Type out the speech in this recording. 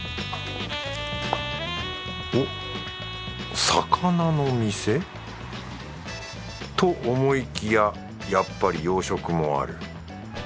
おっ魚の店？と思いきややっぱり洋食もある。